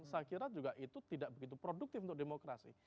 saya kira juga itu tidak begitu produktif untuk demokrasi